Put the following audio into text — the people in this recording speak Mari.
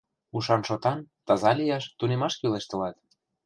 Ушан-шотан, таза лияш тунемаш кӱлеш тылат.